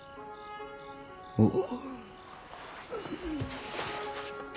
おう。